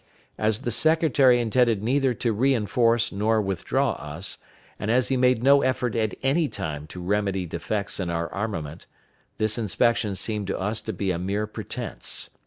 As the secretary intended neither to re enforce nor withdraw us, and as he made no effort at any time to remedy defects in our armament, this inspection seemed to us to be a mere pretense.